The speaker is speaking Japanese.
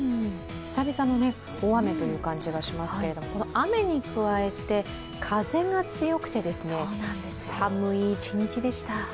久々の大雨という感じがしますけれども、この雨に加えて風が強くて寒い一日でした。